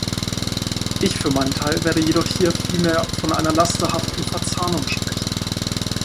Ich für meinen Teil werde jedoch hier vielmehr von einer "lasterhaften" Verzahnung sprechen.